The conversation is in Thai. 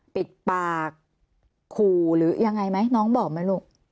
ปิดปากขู่หรือยังไงไหมน้องบอกไหมลูก